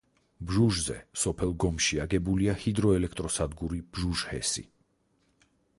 ბჟუჟზე სოფელ გომში აგებულია ჰიდროელექტროსადგური ბჟუჟჰესი.